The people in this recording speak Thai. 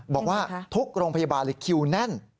บอกว่าทุกโรงพยาบาลคิวแน่น